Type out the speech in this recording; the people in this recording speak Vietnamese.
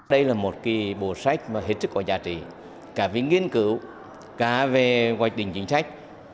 đây là một bộ sách mà hết sức có giá trị cả về nghiên cứu cả về hoạch định chính sách